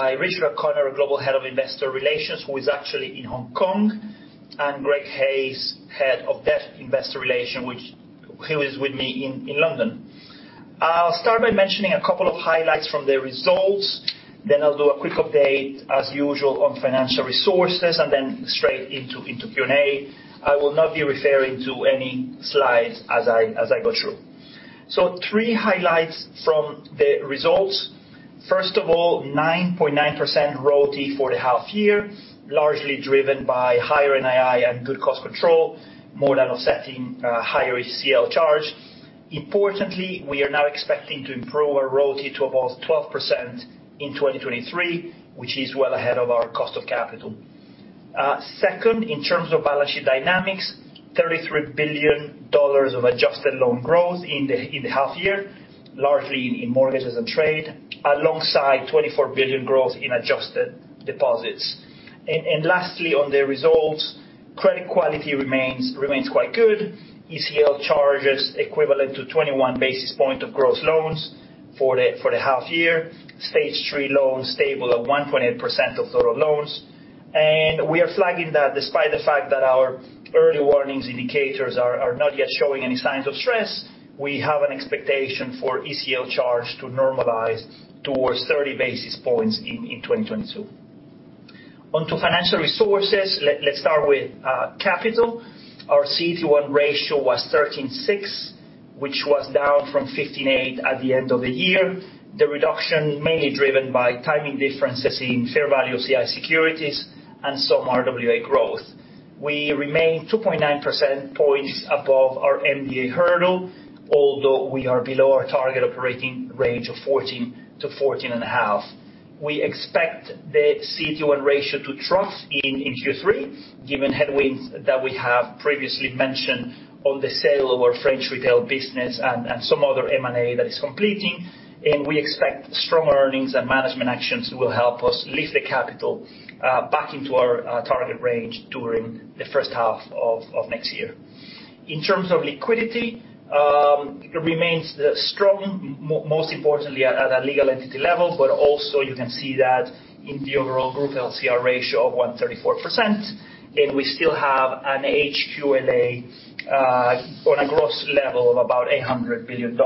I reached out to Richard O'Connor, Global Head of Investor Relations, who is actually in Hong Kong, and Greg Case, Head of Debt Investor Relations, who was with me in London. I'll start by mentioning a couple of highlights from the results, then I'll do a quick update, as usual, on financial resources, and then straight into Q&A. I will not be referring to any slides as I go through. Three highlights from the results. First of all, 9.9% ROTE for the half-year, largely driven by higher NII and good cost control, more than offsetting higher ECL charge. Importantly, we are now expecting to improve our ROTE to above 12% in 2023, which is well ahead of our cost of capital. Second, in terms of balance sheet dynamics, $33 billion of adjusted loan growth in the half-year, largely in mortgages and trade, alongside $24 billion growth in adjusted deposits. Lastly, on the results, credit quality remains quite good. ECL charges equivalent to 21 basis points of gross loans for the half-year. Stage 3 loans stable at 1.8% of total loans. We are flagging that despite the fact that our early warnings indicators are not yet showing any signs of stress, we have an expectation for ECL charge to normalize towards 30 basis points in 2022. Onto financial resources. Let's start with capital. Our CET1 ratio was 13.6%, which was down from 15.8% at the end of the year. The reduction mainly driven by timing differences in fair value OCI securities and some RWA growth. We remain 2.9 percentage points above our MDA hurdle, although we are below our target operating range of 14%-14.5%. We expect the CET1 ratio to trough in Q3, given headwinds that we have previously mentioned on the sale of our French retail business and some other M&A that is completing. We expect strong earnings and management actions will help us lift the capital back into our target range during the first half of next year. In terms of liquidity, it remains strong, most importantly at a legal entity level, but also you can see that in the overall group LCR ratio of 134%, and we still have an HQLA on a gross level of about $800 billion.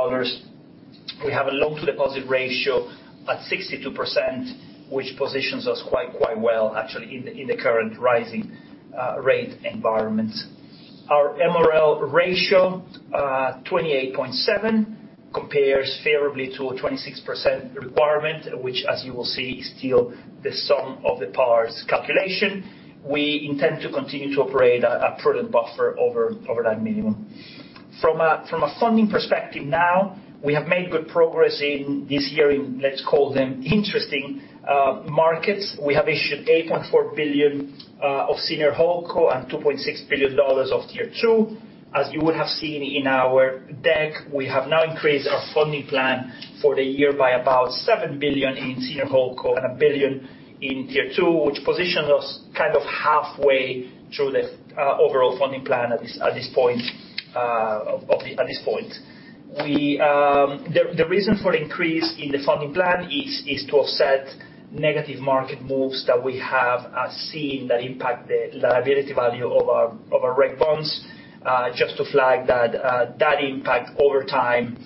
We have a loan to deposit ratio at 62%, which positions us quite well actually in the current rising rate environment. Our MREL ratio 28.7% compares favorably to a 26% requirement, which as you will see is still the sum of the parts calculation. We intend to continue to operate a prudent buffer over that minimum. From a funding perspective now, we have made good progress in this year in, let's call them interesting markets. We have issued $8.4 billion of Senior holdco and $2.6 billion of Tier 2. As you would have seen in our deck, we have now increased our funding plan for the year by about $7 billion in Senior holdco and $1 billion in Tier 2, which positions us kind of halfway through the overall funding plan at this point. The reason for increase in the funding plan is to offset negative market moves that we have seen that impact the liability value of our reg bonds. Just to flag that impact over time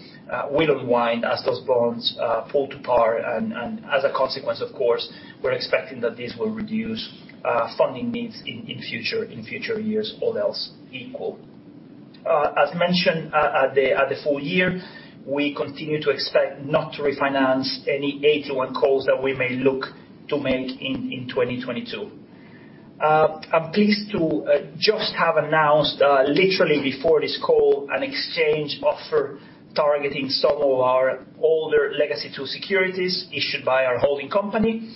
will unwind as those bonds fall to par. As a consequence, of course, we're expecting that this will reduce funding needs in future years, all else equal. As mentioned at the full-year, we continue to expect not to refinance any AT1 calls that we may look to make in 2022. I'm pleased to just have announced literally before this call an exchange offer targeting some of our older legacy Tier 2 securities issued by our holding company.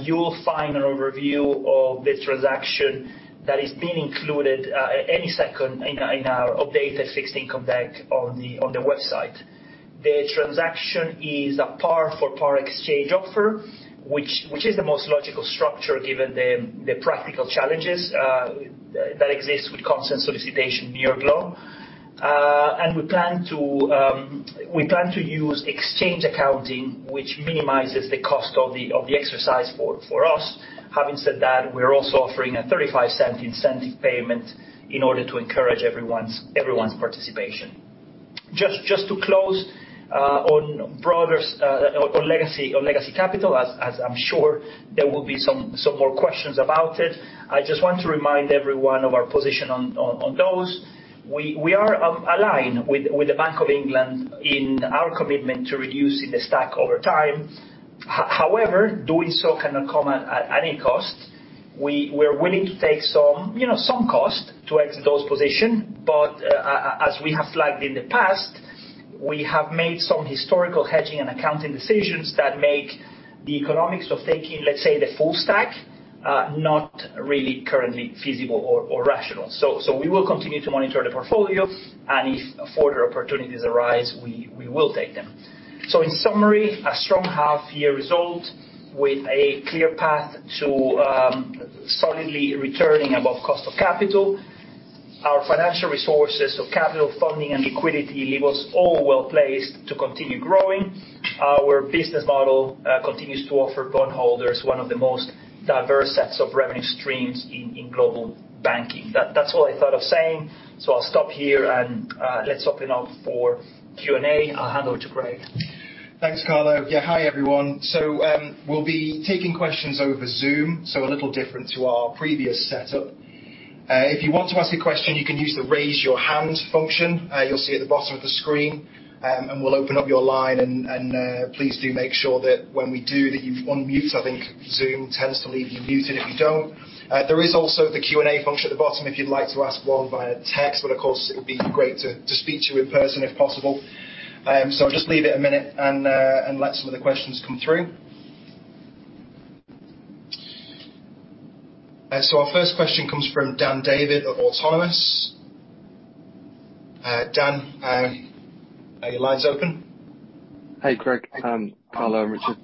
You will find an overview of the transaction that is being included any second in our updated investor deck on the website. The transaction is a par for par exchange offer, which is the most logical structure given the practical challenges that exist with consent solicitation near globe. We plan to use exchange accounting, which minimizes the cost of the exercise for us. Having said that, we're also offering a $0.35 incentive payment in order to encourage everyone's participation. Just to close on broader legacy capital, as I'm sure there will be some more questions about it, I just want to remind everyone of our position on those. We are aligned with the Bank of England in our commitment to reducing the stack over time. However, doing so cannot come at any cost. We're willing to take some, you know, some cost to exit those positions. As we have flagged in the past, we have made some historical hedging and accounting decisions that make the economics of taking, let's say, the full stack, not really currently feasible or rational. We will continue to monitor the portfolio, and if further opportunities arise, we will take them. In summary, a strong half-year result with a clear path to solidly returning above cost of capital. Our financial resources of capital funding and liquidity leave us all well placed to continue growing. Our business model continues to offer bondholders one of the most diverse sets of revenue streams in global banking. That's all I thought of saying, so I'll stop here and let's open up for Q&A. I'll hand over to Greg. Thanks, Carlo. Yeah, hi, everyone. We'll be taking questions over Zoom, so a little different to our previous setup. If you want to ask a question, you can use the Raise Your Hand function, you'll see at the bottom of the screen, and we'll open up your line, and please do make sure that when we do that you've unmuted. I think Zoom tends to leave you muted if you don't. There is also the Q&A function at the bottom if you'd like to ask one via text, but of course, it would be great to speak to you in person if possible. I'll just leave it a minute and let some of the questions come through. Our first question comes from Dan David of Autonomous. Dan, your line's open. Hey, Greg, Carlo and Richard.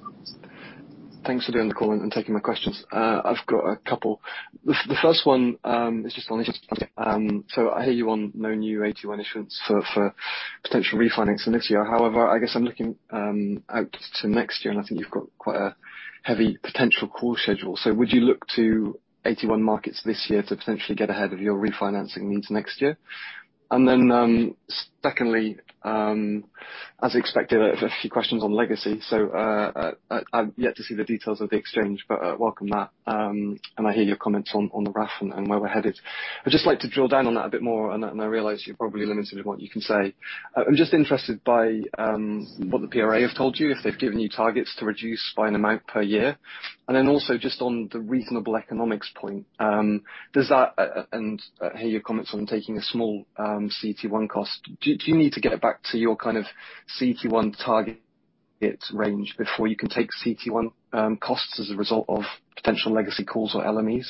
Thanks for doing the call and taking my questions. I've got a couple. The first one is just on issuance. I hear you on no new AT1 issuance for potential refinancing next year. However, I guess I'm looking out to next year, and I think you've got quite a heavy potential call schedule. Would you look to AT1 markets this year to potentially get ahead of your refinancing needs next year? Then, secondly, as expected, a few questions on legacy. I've yet to see the details of the exchange, but welcome that. I hear your comments on the RAF and where we're headed. I'd just like to drill down on that a bit more, and I realize you're probably limited in what you can say. I'm just interested by what the PRA have told you, if they've given you targets to reduce by an amount per year? Then also just on the reasonable economics point, hear your comments on taking a small AT1 cost. Do you need to get back to your kind of AT1 target range before you can take AT1 costs as a result of potential legacy calls or MRELs?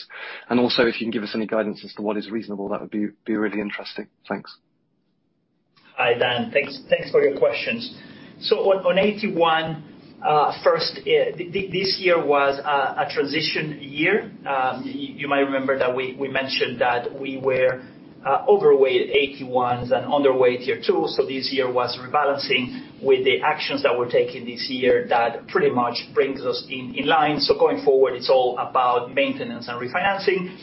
Also if you can give us any guidance as to what is reasonable, that would be really interesting. Thanks. Hi, Dan. Thanks for your questions. On AT1, first, this year was a transition year. You might remember that we mentioned that we were overweight AT1s and underweight Tier 2, so this year was rebalancing with the actions that we're taking this year that pretty much brings us in line. Going forward, it's all about maintenance and refinancing.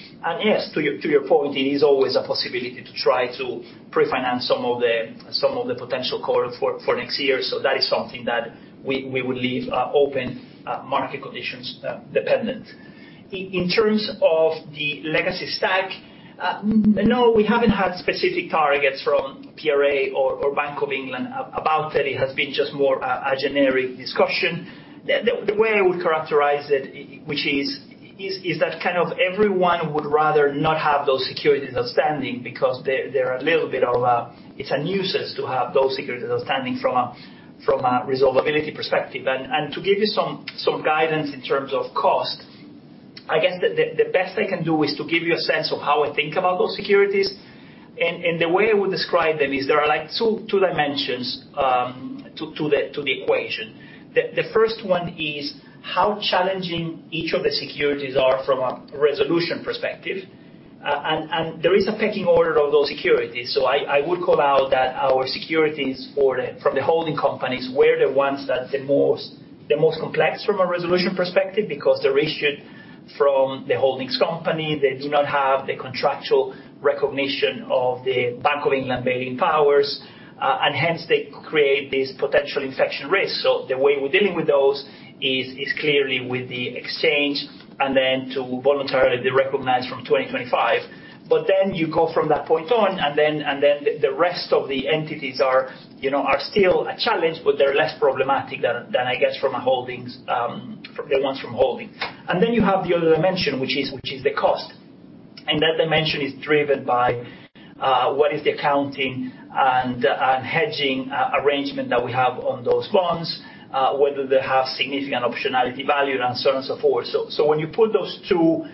Yes, to your point, it is always a possibility to try to pre-finance some of the potential call for next year. That is something that we would leave open, market conditions dependent. In terms of the legacy stack, no, we haven't had specific targets from PRA or Bank of England about it. It has been just more a generic discussion. The way I would characterize it is that kind of everyone would rather not have those securities outstanding because they're a little bit of a nuisance to have those securities outstanding from a resolvability perspective. To give you some guidance in terms of cost, I guess the best I can do is to give you a sense of how I think about those securities. The way I would describe them is there are like two dimensions to the equation. The first one is how challenging each of the securities are from a resolution perspective. There is a pecking order of those securities. I would call out that our securities from the holding companies were the most complex from a resolution perspective because they're issued from the holding company. They do not have the contractual recognition of the Bank of England bail-in powers, and hence they create this potential infection risk. The way we're dealing with those is clearly with the exchange and then to voluntarily be recognized from 2025. Then you go from that point on, and the rest of the entities are, you know, still a challenge, but they're less problematic than I guess from a holding, the ones from holding. Then you have the other dimension, which is the cost. That dimension is driven by what is the accounting and hedging arrangement that we have on those bonds, whether they have significant optionality value and so on and so forth. When you put those two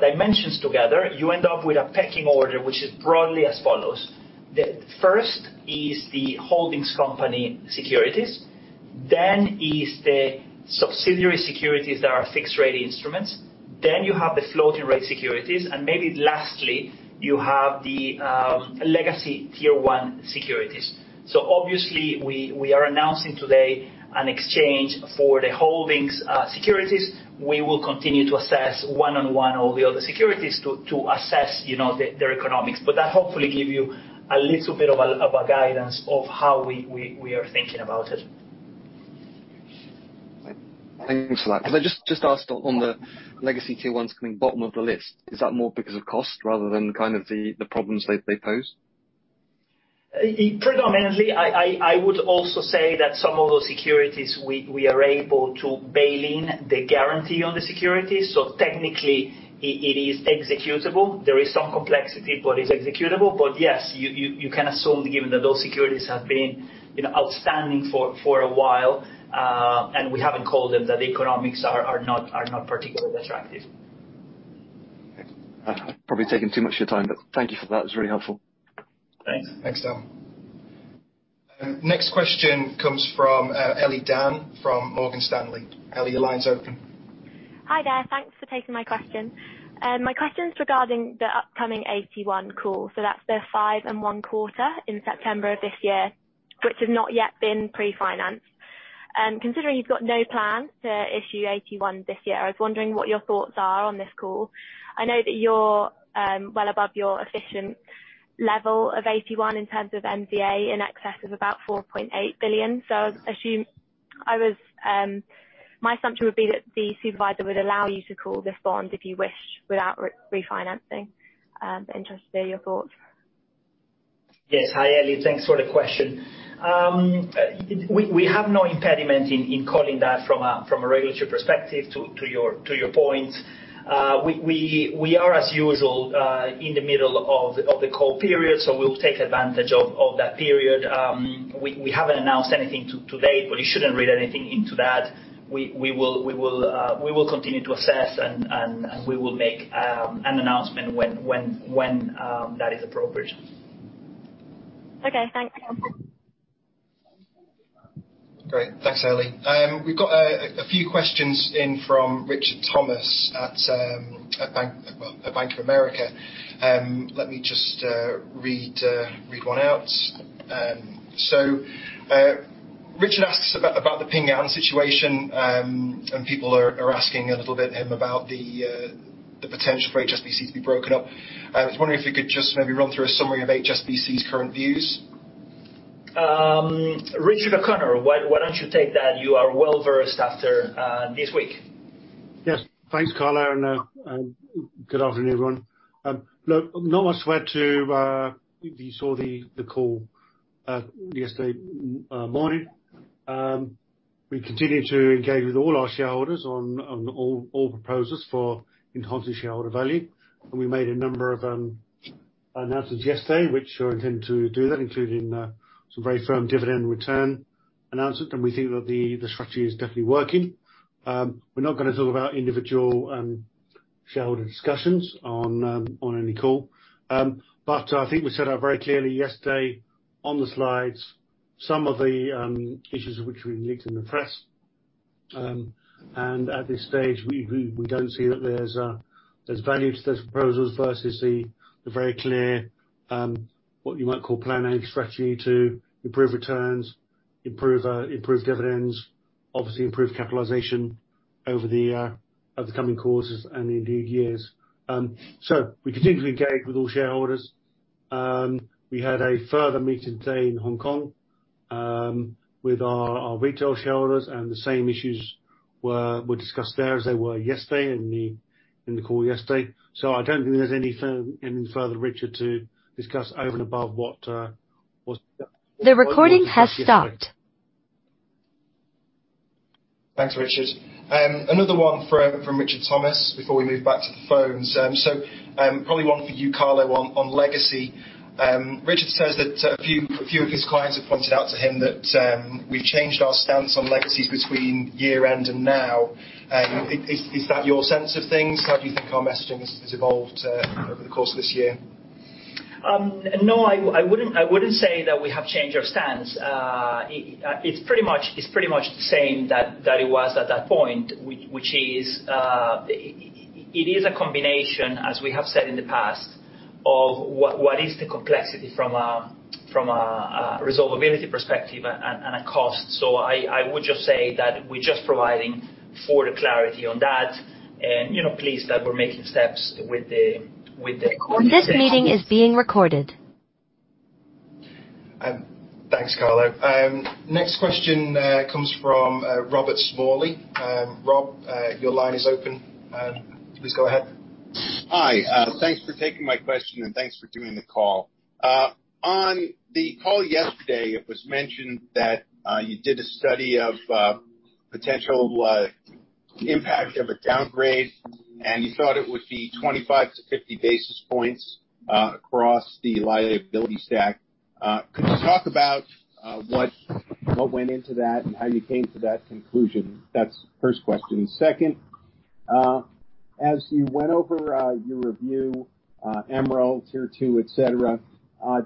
dimensions together, you end up with a pecking order, which is broadly as follows. The first is the holding company securities, then is the subsidiary securities that are fixed rate instruments, then you have the floating rate securities, and maybe lastly, you have the legacy Tier 1 securities. Obviously we are announcing today an exchange for the holding securities. We will continue to assess one by one all the other securities to assess, you know, their economics. That hopefully give you a little bit of a guidance of how we are thinking about it. Thank you for that. Can I just ask on the legacy Tier 1s coming bottom of the list, is that more because of cost rather than kind of the problems they pose? Predominantly, I would also say that some of those securities we are able to bail-in the guarantee on the securities. Technically it is executable. There is some complexity, but it's executable. Yes, you can assume, given that those securities have been, you know, outstanding for a while, and we haven't called them that the economics are not particularly attractive. Okay. I've probably taken too much of your time, but thank you for that. It's really helpful. Thanks. Thanks, Dan. Next question comes from Ellie Dann from Morgan Stanley. Ellie, your line's open. Hi there. Thanks for taking my question. My question's regarding the upcoming AT1 call. That's the 5.25% in September of this year, which has not yet been pre-financed. Considering you've got no plans to issue AT1 this year, I was wondering what your thoughts are on this call. I know that you're well above your efficient level of AT1 in terms of MDA in excess of about $4.8 billion. My assumption would be that the supervisor would allow you to call this bond if you wish, without re-refinancing. Interested to hear your thoughts. Yes. Hi, Ellie. Thanks for the question. We have no impediment in calling that from a regulatory perspective, to your point. We are as usual in the middle of the call period, so we'll take advantage of that period. We haven't announced anything to date, but you shouldn't read anything into that. We will continue to assess, and we will make an announcement when that is appropriate. Okay, thanks. Great. Thanks, Ellie. We've got a few questions in from Richard Thomas at Bank of America. Let me just read one out. Richard asks about the Ping An situation, and people are asking him a little bit about the potential for HSBC to be broken up. I was wondering if you could just maybe run through a summary of HSBC's current views. Richard O'Connor, why don't you take that? You are well versed after this week. Yes. Thanks, Carlo, and good afternoon, everyone. Look, not much to add to what you saw on the call yesterday morning. We continue to engage with all our shareholders on all proposals for enhancing shareholder value. We made a number of announcements yesterday which are intended to do that, including some very firm dividend return announcement. We think that the strategy is definitely working. We're not gonna talk about individual shareholder discussions on any call. I think we said very clearly yesterday on the slides some of the issues which we leaked in the press. At this stage, we don't see that there's value to those proposals versus the very clear what you might call plan and strategy to improve returns, improve dividends. Obviously, improve capitalization over the coming quarters and in the years. We continue to engage with all shareholders. We had a further meeting today in Hong Kong with our retail shareholders, and the same issues were discussed there as they were yesterday in the call yesterday. I don't think there's any further, Richard, to discuss over and above what was Thanks, Richard. Another one from Richard Thomas before we move back to the phones. Probably one for you, Carlo, on legacy. Richard says that a few of his clients have pointed out to him that we've changed our stance on legacies between year-end and now. Is that your sense of things? How do you think our messaging has evolved over the course of this year? No, I wouldn't say that we have changed our stance. It's pretty much the same that it was at that point, which is it is a combination, as we have said in the past, of what is the complexity from a resolvability perspective and a cost. I would just say that we're just providing further clarity on that and, you know, pleased that we're making steps with the. Thanks, Carlo. Next question comes from Robert Smalley. Rob, your line is open. Please go ahead. Hi. Thanks for taking my question, and thanks for doing the call. On the call yesterday, it was mentioned that you did a study of potential impact of a downgrade, and you thought it would be 25-50 basis points across the liability stack. Could you talk about what went into that and how you came to that conclusion? That's first question. Second, as you went over your review, MREL, Tier 2, et cetera,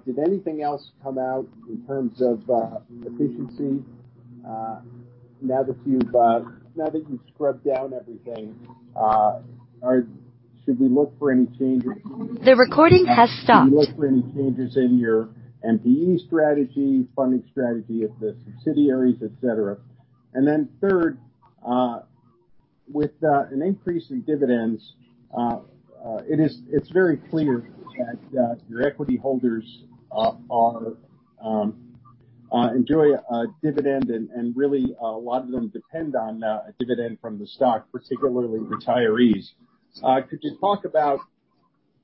did anything else come out in terms of efficiency, now that you've scrubbed down everything, should we look for any changes? Should we look for any changes in your MPE strategy, funding strategy at the subsidiaries, et cetera? Then third, with an increase in dividends, it is very clear that your equity holders are enjoy a dividend, and really a lot of them depend on a dividend from the stock, particularly retirees. Could you talk about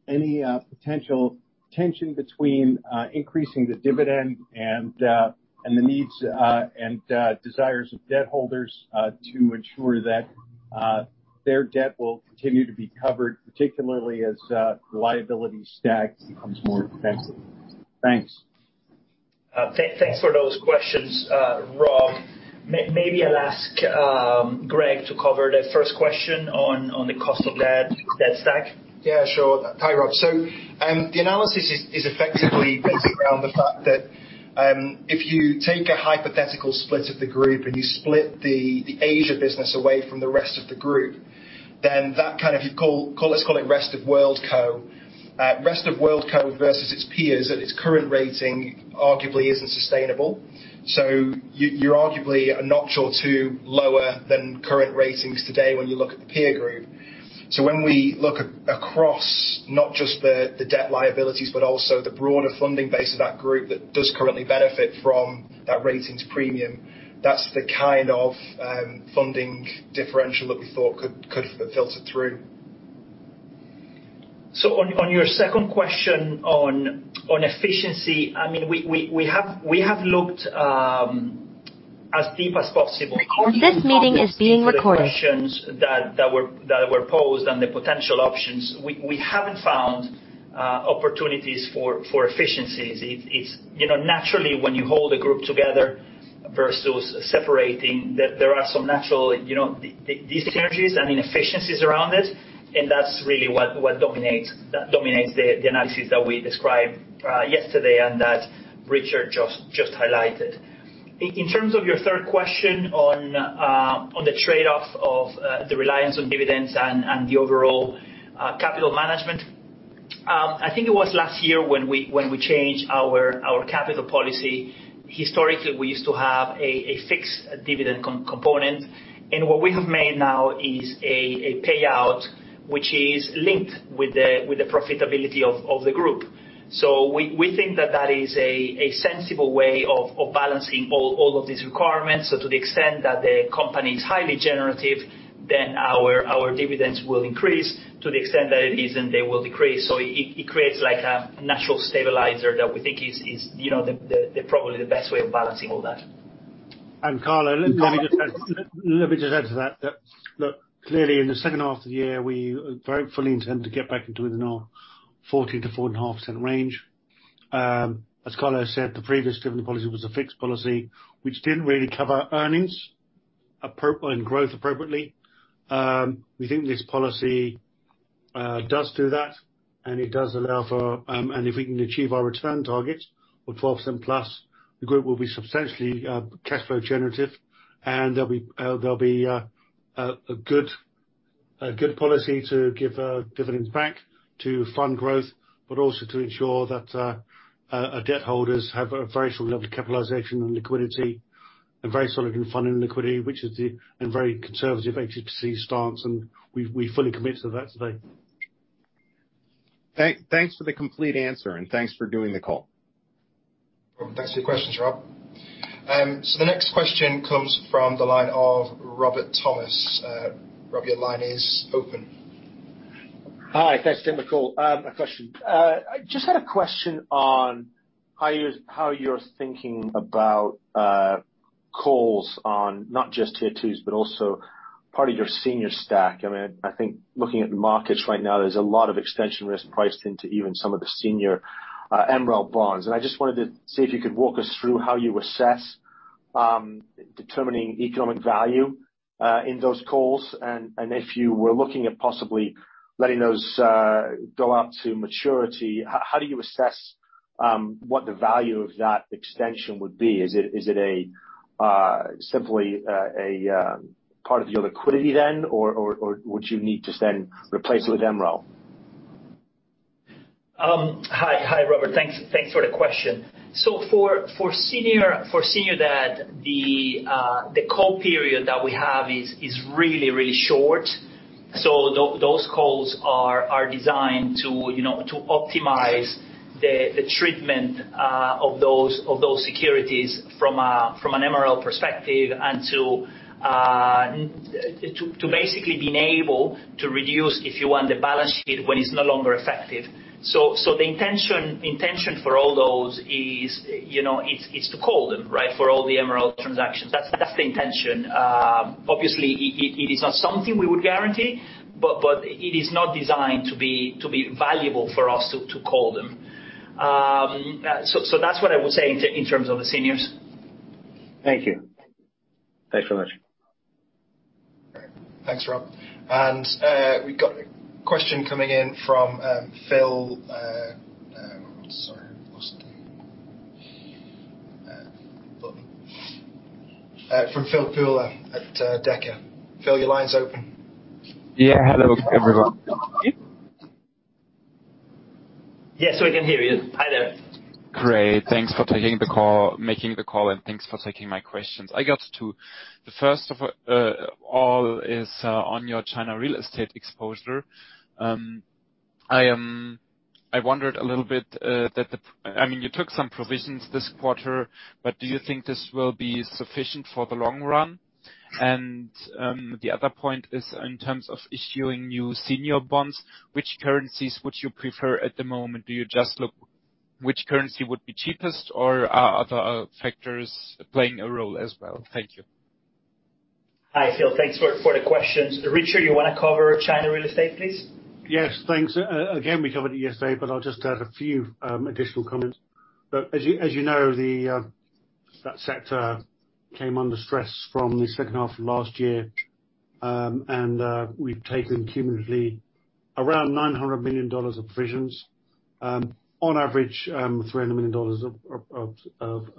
any potential tension between increasing the dividend and the needs and desires of debt holders to ensure that their debt will continue to be covered, particularly as the liability stack becomes more expensive? Thanks. Thanks for those questions, Rob. Maybe I'll ask Greg to cover the first question on the cost of that stack. Yeah, sure. Hi, Rob. The analysis is effectively based around the fact that, if you take a hypothetical split of the group and you split the Asia business away from the rest of the group, then that kind of let's call it rest of world co. Rest of world co versus its peers at its current rating arguably isn't sustainable. You're arguably a notch or two lower than current ratings today when you look at the peer group. When we look across not just the debt liabilities, but also the broader funding base of that group that does currently benefit from that ratings premium, that's the kind of funding differential that we thought could filter through. On your second question on efficiency, I mean, we have looked as deep as possible. The questions that were posed and the potential options. We haven't found opportunities for efficiencies. It's you know, naturally, when you hold a group together versus separating, there are some natural, you know, dyssynergies and inefficiencies around it, and that's really what dominates the analysis that we described yesterday and that Richard just highlighted. In terms of your third question on the trade-off of the reliance on dividends and the overall capital management, I think it was last year when we changed our capital policy. Historically, we used to have a fixed dividend component, and what we have made now is a payout which is linked with the profitability of the group. We think that is a sensible way of balancing all of these requirements. To the extent that the company is highly generative, then our dividends will increase. To the extent that it isn't, they will decrease. It creates like a natural stabilizer that we think is, you know, that's probably the best way of balancing all that. Carlo, let me just add to that, look, clearly in the second half of the year, we very fully intend to get back into the normal 14%-4.5% range. As Carlo said, the previous dividend policy was a fixed policy, which didn't really cover earnings and growth appropriately. We think this policy does that, and it does allow for. If we can achieve our return targets of 12%+, the group will be substantially cash flow generative, and there'll be a good policy to give dividends back to fund growth, but also to ensure that our debt holders have a very solid level of capitalization and liquidity, a very solid funding liquidity, which is the very conservative HQLA stance, and we fully commit to that today. Thanks for the complete answer, and thanks for doing the call. No problem. Thanks for your questions, Rob. The next question comes from the line of Robert Thomas. Rob, your line is open. Hi. Thanks for the call. A question. I just had a question on how you're thinking about calls on not just Tier 2s but also part of your senior stack. I mean, I think looking at the markets right now, there's a lot of extension risk priced into even some of the senior MREL bonds. I just wanted to see if you could walk us through how you assess determining economic value in those calls. If you were looking at possibly letting those go out to maturity, how do you assess what the value of that extension would be? Is it simply a part of your liquidity then, or would you need to then replace it with MREL? Hi, Robert. Thanks for the question. For senior debt, the call period that we have is really short. Those calls are designed to, you know, to optimize the treatment of those securities from an MREL perspective and to basically being able to reduce, if you want, the balance sheet when it's no longer effective. The intention for all those is, you know, it's to call them, right? For all the MREL transactions. That's the intention. Obviously, it is not something we would guarantee, but it is not designed to be valuable for us to call them. That's what I would say in terms of the seniors. Thank you. Thanks so much. Great. Thanks, Rob. We've got a question coming in from Phil. Sorry, I lost it. From Philip Middleton at Deka. Phil, your line's open. Yeah. Hello, everyone. Yes, we can hear you. Hi there. Great. Thanks for taking the call, making the call, and thanks for taking my questions. I got two. The first of all is on your China real estate exposure. I wondered a little bit, I mean, you took some provisions this quarter, but do you think this will be sufficient for the long run? The other point is in terms of issuing new senior bonds, which currencies would you prefer at the moment? Do you just look which currency would be cheapest or are other factors playing a role as well? Thank you. Hi, Phil. Thanks for the questions. Richard, you wanna cover China real estate, please? Yes. Thanks. Again, we covered it yesterday, but I'll just add a few additional comments. As you know, that sector came under stress from the second half of last year. We've taken cumulatively around $900 million of provisions. On average, $300 million of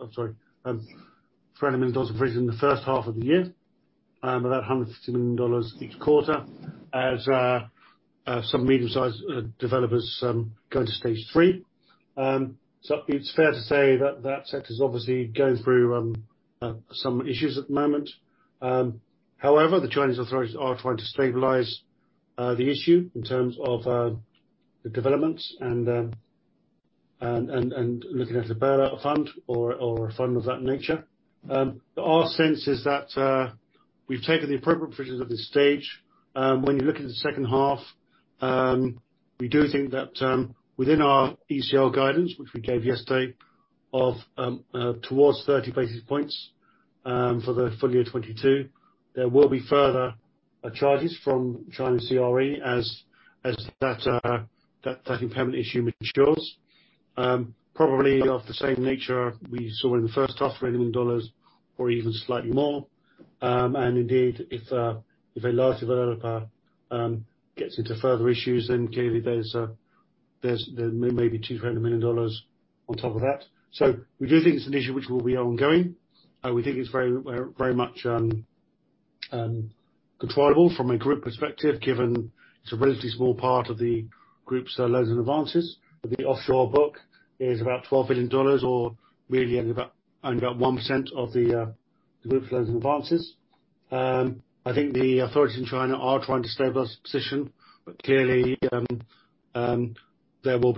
provision in the first half of the year, about $150 million each quarter as some medium-sized developers go to Stage 3. It's fair to say that sector is obviously going through some issues at the moment. However, the Chinese authorities are trying to stabilize the issue in terms of the developments and looking at a bailout fund or a fund of that nature. Our sense is that we've taken the appropriate provisions at this stage. When you look at the second half, we do think that within our ECL guidance, which we gave yesterday of towards 30 basis points for the full-year 2022, there will be further charges from China CRE as that impairment issue matures. Probably of the same nature we saw in the first half, $300 million or even slightly more. Indeed, if a large developer gets into further issues, then clearly there's. There may be $200 million on top of that. We do think it's an issue which will be ongoing. We think it's very much controllable from a group perspective, given it's a relatively small part of the group's loans and advances. The offshore book is about $12 billion or really only about 1% of the group's loans and advances. I think the authorities in China are trying to stabilize the position. Clearly, there will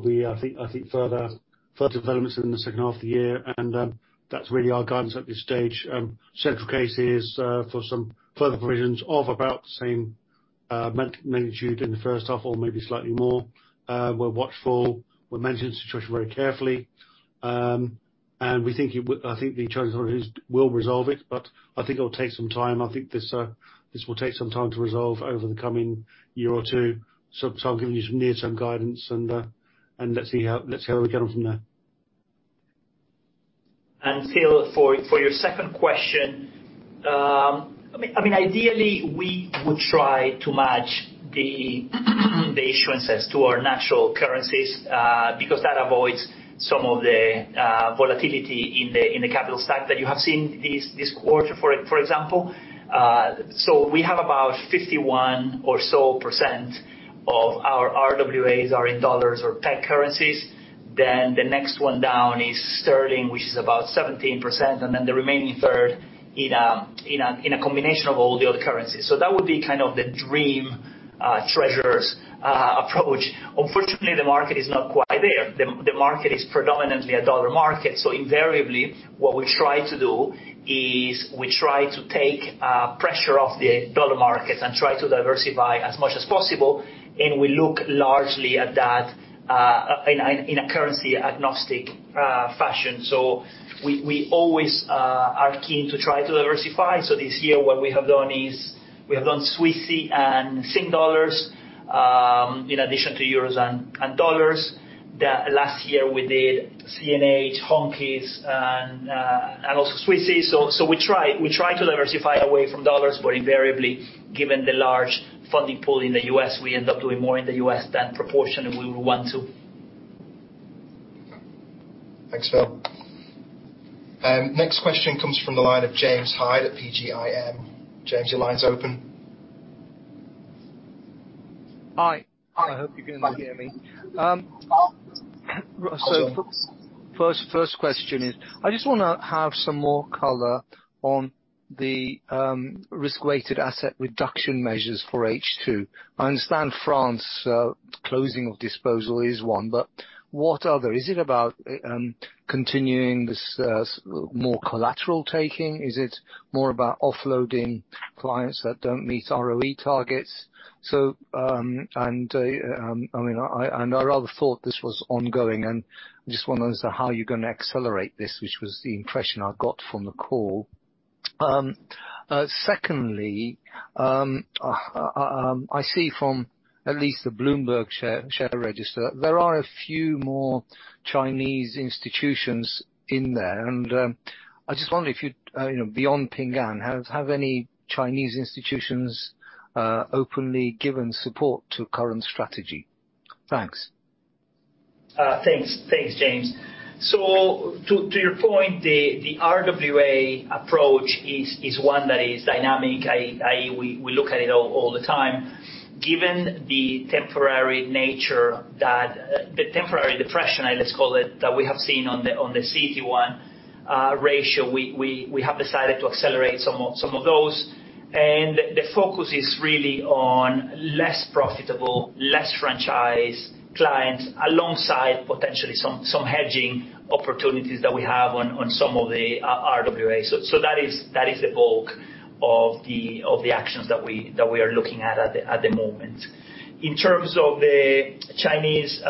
be, I think, further developments in the second half of the year. That's really our guidance at this stage. Central case is for some further provisions of about the same magnitude in the first half or maybe slightly more. We're watchful. We're managing the situation very carefully. I think the Chinese authorities will resolve it, but I think it'll take some time. I think this will take some time to resolve over the coming year or two. I'll give you some near-term guidance and let's see how we get on from there. Phil, for your second question. I mean, ideally we would try to match the issuances to our natural currencies, because that avoids some of the volatility in the capital stack that you have seen this quarter, for example. We have about 51% or so of our RWAs in dollars or pegged currencies. Then the next one down is sterling, which is about 17%, and then the remaining third in a combination of all the other currencies. That would be kind of the dream treasurer's approach. Unfortunately, the market is not quite there. The market is predominantly a dollar market. Invariably, what we try to do is we try to take pressure off the dollar market and try to diversify as much as possible. We look largely at that in a currency agnostic fashion. We always are keen to try to diversify. This year what we have done is we have done Swissy and Sing dollars in addition to euros and dollars. The last year we did CNH, Hongkies and also Swissy. We try to diversify away from dollars, but invariably, given the large funding pool in the U.S., we end up doing more in the U.S. than proportionately we would want to. Thanks, Phil. Next question comes from the line of James Hyde at PGIM. James, your line's open. Hi. I hope you can hear me. First question is, I just wanna have some more color on the risk-weighted asset reduction measures for H2. I understand France closing of disposal is one, but what other? Is it about continuing this more collateral taking? Is it more about offloading clients that don't meet ROE targets? I mean, I rather thought this was ongoing, and I just wonder how are you gonna accelerate this? Which was the impression I got from the call. Secondly, I see from at least the Bloomberg share register, there are a few more Chinese institutions in there. I just wonder if you know, beyond Ping An, have any Chinese institutions openly given support to current strategy? Thanks. Thanks. Thanks, James. To your point, the RWA approach is one that is dynamic, i.e. we look at it all the time. Given the temporary depression, let's call it, that we have seen on the CET1 ratio, we have decided to accelerate some of those. The focus is really on less profitable, less franchise clients alongside potentially some hedging opportunities that we have on some of the RWAs. That is the bulk of the actions that we are looking at at the moment. In terms of the Chinese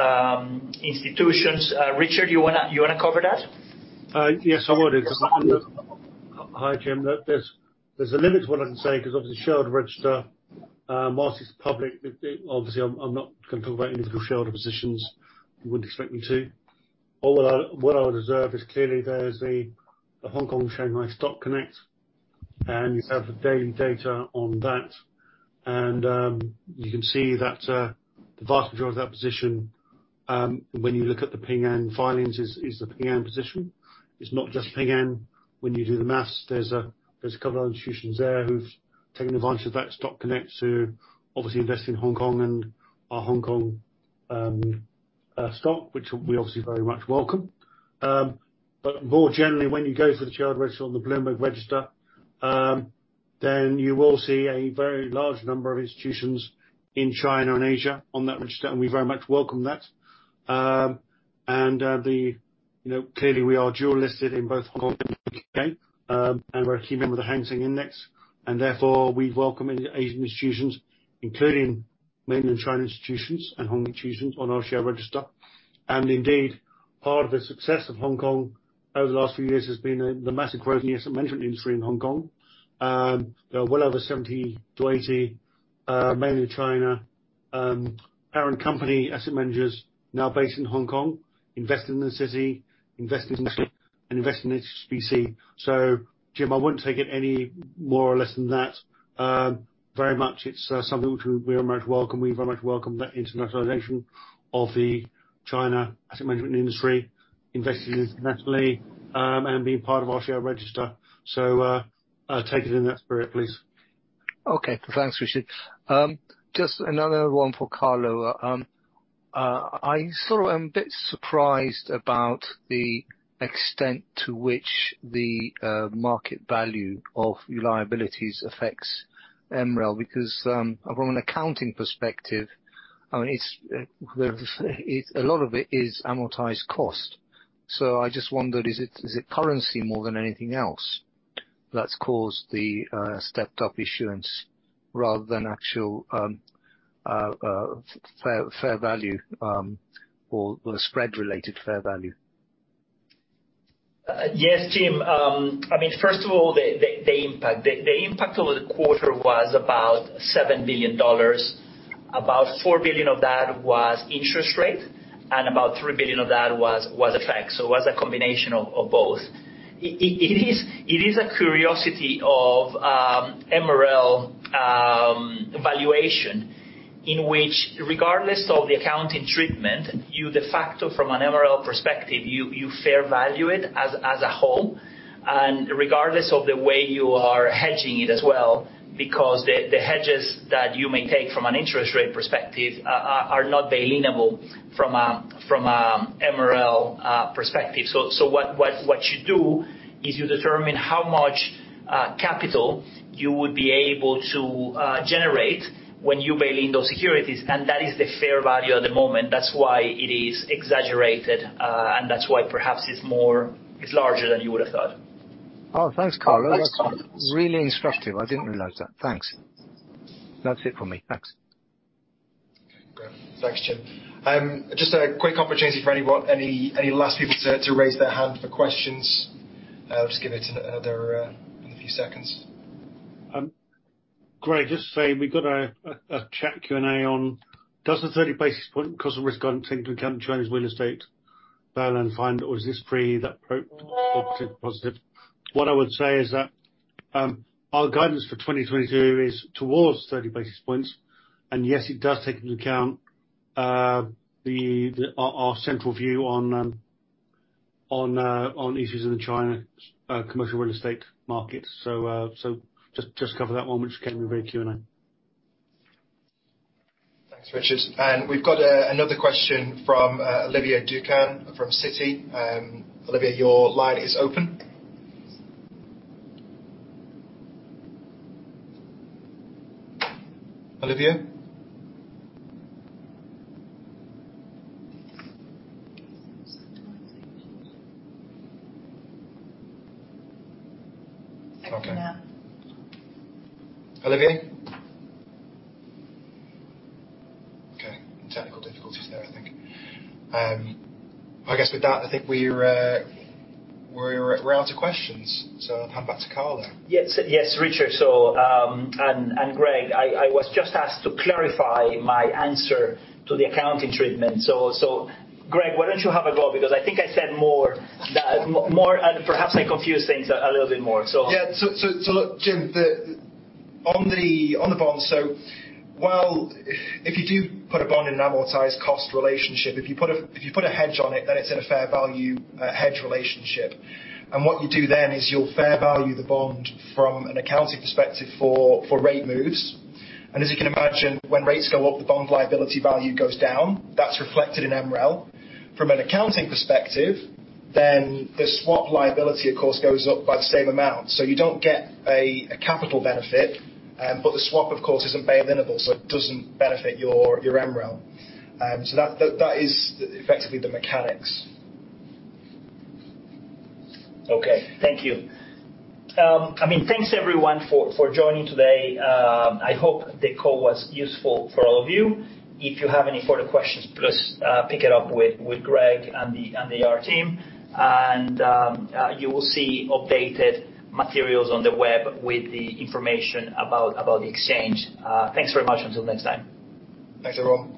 institutions, Richard, you wanna cover that? Yes, I would. Hi, James. Look, there's a limit to what I can say 'cause obviously shareholder register, most is public. Obviously, I'm not gonna talk about any individual shareholder positions. You wouldn't expect me to. All in all, what I would observe is clearly there's a Shanghai-Hong Kong Stock Connect, and you have the daily data on that. You can see that the vast majority of that position, when you look at the Ping An filings, is the Ping An position. It's not just Ping An. When you do the math, there's a couple other institutions there who've taken advantage of that Stock Connect to obviously invest in Hong Kong and our Hong Kong stock, which we obviously very much welcome. More generally, when you go to the shareholder register on the Bloomberg register, then you will see a very large number of institutions in China and Asia on that register, and we very much welcome that. You know, clearly we are dual-listed in both Hong Kong and the U.K., and we're a key member of the Hang Seng Index, and therefore we welcome any Asian institutions, including Mainland China institutions and Hong institutions, on our share register. Indeed, part of the success of Hong Kong over the last few years has been the massive growth in the asset management industry in Hong Kong. There are well over 70-80 mainly China parent company asset managers now based in Hong Kong, investing in the city, investing in HSBC. James, I wouldn't take it any more or less than that. Very much it's something which we very much welcome. We very much welcome the internationalization of the China asset management industry investing internationally, and being part of our share register. Take it in that spirit, please. Okay. Thanks, Richard. Just another one for Carlo. I sort of am a bit surprised about the extent to which the market value of your liabilities affects MREL because from an accounting perspective, I mean, it's a lot of it is amortized cost. I just wondered, is it currency more than anything else that's caused the stepped-up issuance rather than actual fair value or spread-related fair value? Yes, James. I mean, first of all, the impact. The impact over the quarter was about $7 billion. About $4 billion of that was interest rate, and about $3 billion of that was FX effect. It was a combination of both. It is a curiosity of MREL valuation in which regardless of the accounting treatment, you de facto from an MREL perspective, you fair value it as a whole, and regardless of the way you are hedging it as well, because the hedges that you may take from an interest rate perspective are not bail-in-able from a MREL perspective. What you do is you determine how much capital you would be able to generate when you bail-in those securities, and that is the fair value at the moment. That's why it is exaggerated, and that's why perhaps it's more, it's larger than you would have thought. Oh, thanks, Carlo. Thanks, James. That's really instructive. I didn't realize that. Thanks. That's it for me. Thanks. Okay, great. Thanks, James. Just a quick opportunity for anyone, any last people to raise their hand for questions. I'll just give it another few seconds. Greg, just to say we got a chat Q&A on does the 30 basis point cause a risk on taking into account Chinese real estate bail-in or is this pre that or positive? What I would say is that our guidance for 2022 is towards 30 basis points, and yes, it does take into account our central view on issues in the China commercial real estate market. Just cover that one which came in the Q&A. Thanks, Richard. We've got another question from Olivia Duncan from Citi. Olivia, your line is open. Olivia? Second now. Olivia? Okay. Technical difficulties there, I think. I guess with that, I think we're out of questions. I'll hand back to Carlo. Yes. Yes, Richard. And Greg, I was just asked to clarify my answer to the accounting treatment. Greg, why don't you have a go because I think I said more and perhaps I confused things a little bit more, so. Yeah. Look, James, on the bond, while if you do put a bond in an amortized cost relationship, if you put a hedge on it, then it's in a fair value hedge relationship. What you do then is you'll fair value the bond from an accounting perspective for rate moves. As you can imagine, when rates go up, the bond liability value goes down. That's reflected in MREL. From an accounting perspective, the swap liability of course goes up by the same amount. You don't get a capital benefit. The swap, of course, isn't bail-in-able, so it doesn't benefit your MREL. That is effectively the mechanics. Okay. Thank you. I mean, thanks everyone for joining today. I hope the call was useful for all of you. If you have any further questions, please pick it up with Greg and the AR team. You will see updated materials on the web with the information about the exchange. Thanks very much. Until next time. Thanks, everyone.